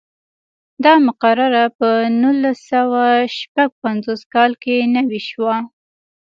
دا مقرره په نولس سوه شپږ پنځوس کال کې نوې شوه.